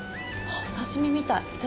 お刺身みたい。